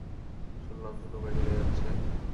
শুনলাম ছোট ভাই চলে যাচ্ছে?